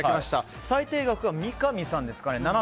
最低額は三上さんですかね